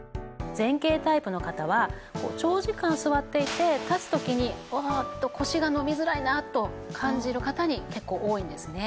前傾タイプの方は長時間座っていて立つ時に「ああ腰が伸びづらいな」と感じる方に結構多いんですね。